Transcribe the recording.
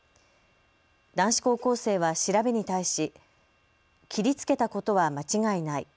男子高校生は調べに対し切りつけたことは間違いない。